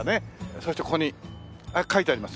そしてここに書いてあります。